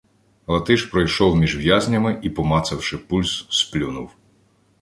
Латиш пройшов між в'язнями і, помацавши пульс, сплюнув: